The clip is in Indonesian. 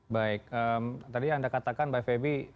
baik tadi anda katakan mbak febi